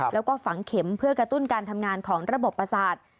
แล้วก็ฝังเข็มเพื่อกระตุ้นการทำงานของระบบประสาท